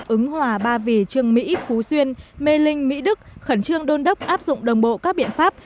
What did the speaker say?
ứng hòa ba vì trương mỹ phú xuyên mê linh mỹ đức khẩn trương đôn đốc áp dụng đồng bộ các biện pháp